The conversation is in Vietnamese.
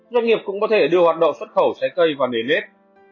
doanh nghiệp cũng có thể đưa hoạt động xuất khẩu trái cây vào nền nếp